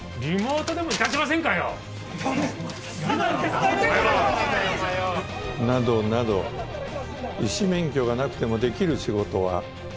リモートでも「致しません」かよ！などなど医師免許がなくてもできる仕事は。